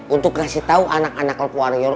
untuk ngasih tau anak anak klub warrior